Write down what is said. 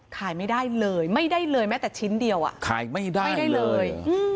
ขายไม่ได้เลยไม่ได้เลยแม้แต่ชิ้นเดียวอ่ะขายไม่ได้ไม่ได้เลย